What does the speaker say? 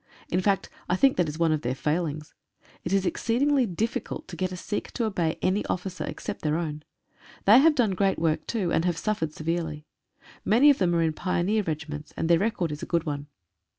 In fact, I think that is one of their failings. It is exceedingly diffi cult to get a Sikh to obey any officer, except their own. They have done great work too, and have suf fered severely. Many of them are in pioneer regiments, and their record is a good one.